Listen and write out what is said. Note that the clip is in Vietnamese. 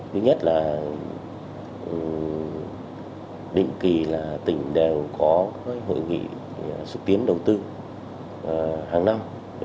thứ nhất là định kỳ là tỉnh đều có hội nghị xúc tiến đầu tư hàng năm